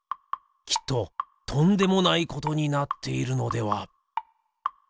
きっととんでもないことになっているのでは？